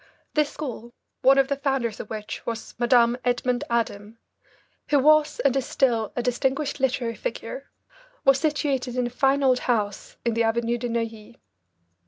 This school, one of the founders of which was Madame Edmond Adam, who was and is still a distinguished literary figure, was situated in a fine old house in the Avenue de Neuilly.